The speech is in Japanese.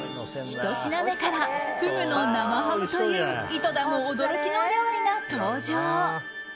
ひと品目からフグの生ハムという井戸田も驚きの料理が登場。